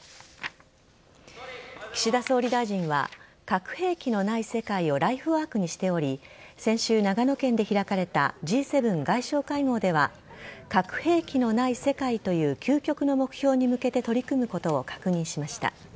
岸田総理大臣は核兵器のない世界をライフワークにしており先週長野県で開かれたＧ７外相会合では核兵器のない世界という究極の目標に向けて取り組むことを確認しました。